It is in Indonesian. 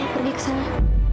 pergi ke sana